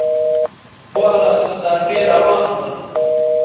پالس سو طرفے روان ھون